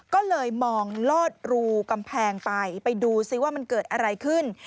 ก็เลยมองลอดรูกำแพงไปไปดูซิว่ามันเกิดอะไรขึ้น